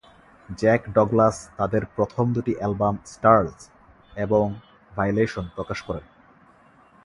Jack Douglas তাদের প্রথম দুটি অ্যালবাম "স্টারজ" এবং "ভাইলেশন" প্রকাশ করেন।